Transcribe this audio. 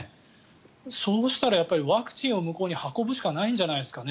そうしたらワクチンを向こうに運ぶしかないんじゃないですかね。